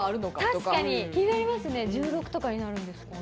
確かに気になりますね。